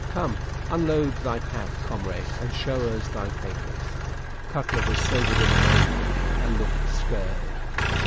"Come, unload thy pack, comrade, and show us thy papers." Cutler was sobered in a moment, and looked scared.